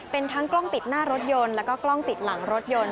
เป็นทั้งกล้องติดหน้ารถยนต์แล้วก็กล้องติดหลังรถยนต์